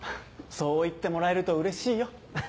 そう言ってもらえるとうれしいよ。